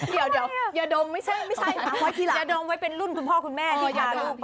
เดี๋ยวเดี๋ยวอย่าดมเพราะอย่ากลิ่นให้เป็นรุ่นพ่อคุณแม่ที่แล้ว